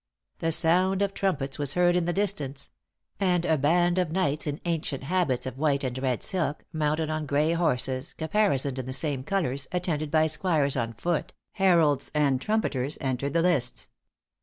The sound of trumpets was heard in the distance; and a band of knights in ancient habits of white and red silk, mounted on gray horses caparisoned in the same colors, attended by squires on foot, heralds and trumpeters, entered the lists.